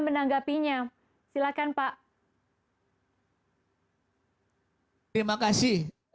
menanggapinya silakan pak terima kasih